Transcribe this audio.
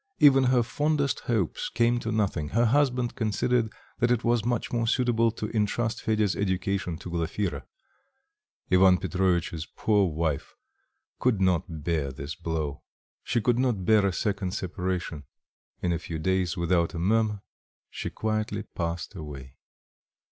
Even her fondest hopes came to nothing; her husband considered that it was much more suitable to intrust Fedya's education to Glafira. Ivan Petrovitch's poor wife could not bear this blow, she could not bear a second separation; in a few days, without a murmur, she quietly passed away.